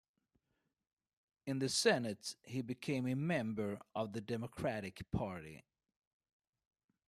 In the Senate he became a member of the Democratic Party.